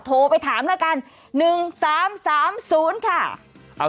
โทรไปถามแล้วกัน๑๓๓๐ค่ะ